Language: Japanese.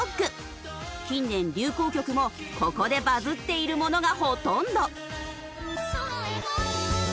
近年流行曲もここでバズっているものがほとんど。